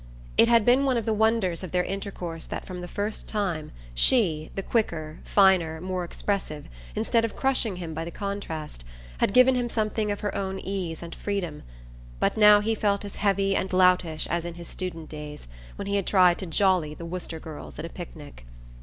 It had been one of the wonders of their intercourse that from the first, she, the quicker, finer, more expressive, instead of crushing him by the contrast, had given him something of her own ease and freedom; but now he felt as heavy and loutish as in his student days, when he had tried to "jolly" the Worcester girls at a picnic.